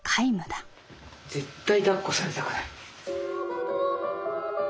絶対だっこされたくない。